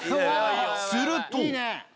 すると。